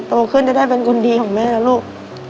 โตขึ้นจะได้เป็นคนดีของแม่นะลูก